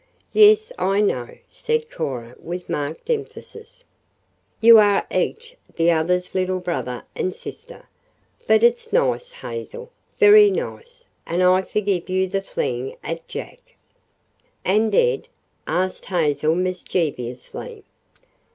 "Yes, I know," said Cora with marked emphasis. "You are each the other's little brother and sister. But it's nice, Hazel, very nice, and I forgive you the fling at Jack." "And Ed?" asked Hazel mischievously.